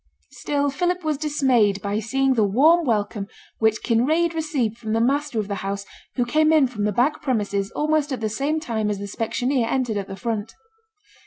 Still Philip was dismayed by seeing the warm welcome which Kinraid received from the master of the house, who came in from the back premises almost at the same time as the specksioneer entered at the front.